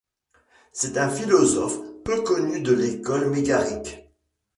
C'est un philosophe peu connu de l'école mégarique.